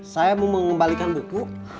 saya mau mengembalikan buku